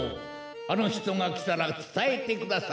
あのひとがきたらつたえてください。